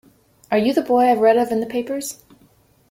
Are you the boy I've read of in the papers?